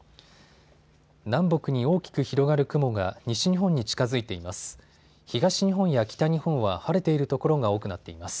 南北に大きく広がる雲が西日本に近づいています。